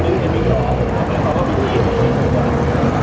มันเป็นสิ่งที่จะให้ทุกคนรู้สึกว่ามันเป็นสิ่งที่จะให้ทุกคนรู้สึกว่า